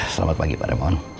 selamat pagi pak remon